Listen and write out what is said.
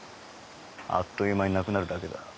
あっという間になくなるだけだ。